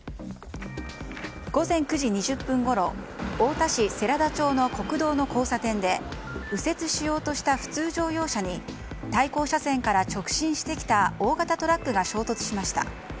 午前９時２０分ごろ太田市世良田町の国道の交差点で右折しようとした普通乗用車に対向車線から直進してきた大型トラックが衝突しました。